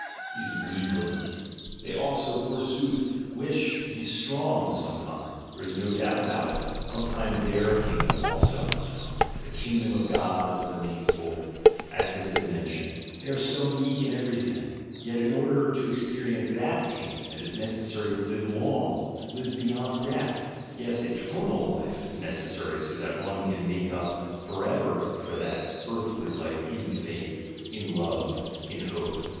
These weaklings! — they also, forsooth, wish to be strong some time; there is no doubt about it. some time their kingdom also must come — "the kingdom of God" is their name for it, as has been mentioned: — they are so meek in everything! Yet in order to ex perience that kingdom it is necessary to live long, to live "GOOD AND EVIL," "GOOD AND BAD" 33 beyond death, — yes, eternal life is necessary so that one can make up for ever for that earthly life "in faith," "in love," "in hope."